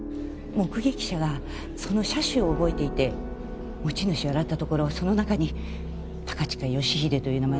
目撃者がその車種を覚えていて持ち主を洗ったところその中に高近義英という名前があったんです。